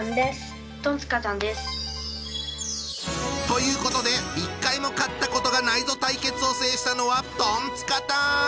ということで一回も勝ったことがないぞ対決を制したのはトンツカタン！